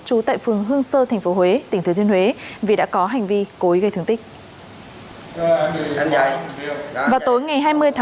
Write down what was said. trú tại phường hương sơ tp huế tỉnh thứ thiên huế vì đã có hành vi cối gây thương tích